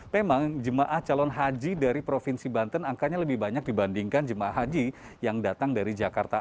memang jemaah calon haji dari provinsi banten angkanya lebih banyak dibandingkan jemaah haji yang datang dari jakarta